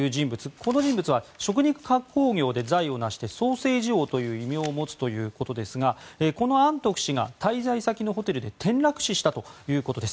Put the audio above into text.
この人物は食肉加工業で財を成してソーセージ王という異名を持つということですがこのアントフ氏が滞在先のホテルで転落死したということです。